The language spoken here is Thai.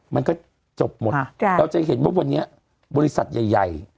มันก็จบหมดเราจะเห็นว่าวันนี้บริษัทใหญ่